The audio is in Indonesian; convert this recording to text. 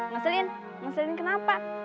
mas selin mas selin kenapa